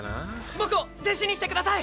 僕を弟子にしてください！